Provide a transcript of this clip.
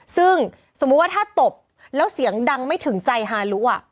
ซึ่งสมมุติว่าถ้าตบแล้วเสียงดังไม่ถึงใจฮารุ